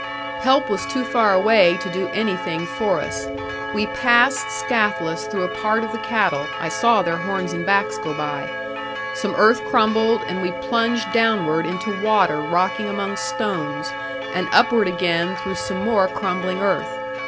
Help was too far away to do anything for us. We passed scatheless through a part of the cattle, I saw their horns and backs go by. Some earth crumbled, and we plunged downward into water rocking among stones, and upward again through some more crumbling earth.